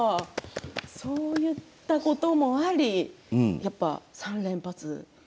そういったこともあり３連発。